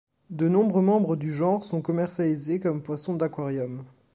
De nombreux membres du genre sont commercialisés comme poissons d’aquarium.